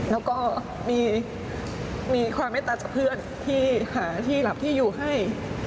แล้วก็มีความเมตตาจากเพื่อนที่หาที่หลับที่อยู่ให้